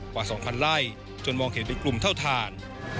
กว่า๒๐๐ไร่จนมองเห็นเป็นกลุ่มเท่าทาน